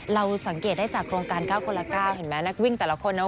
เราสังเกตได้จากโครงการ๙คนละ๙เห็นไหมนักวิ่งแต่ละคนนะ